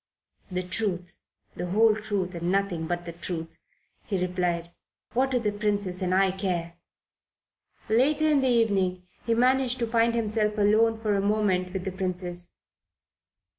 "The truth, the whole truth and nothing but the truth," he replied. "What do the Princess and I care?" Later in the evening he managed to find himself alone for a moment with the Princess.